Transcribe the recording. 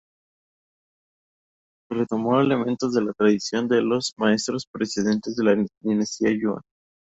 Retomó elementos de la tradición de los maestros precedentes de la dinastía Yuan.